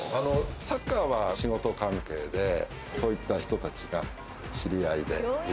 サッカーは仕事関係で、そういった人たちが知り合いでいる。